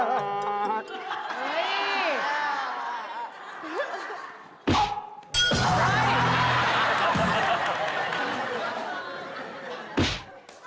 โอ๊ย